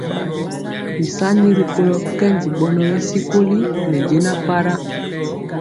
Bisani rikolo kɛndi bɔnɔ bɛ sikoli ne jɛna para.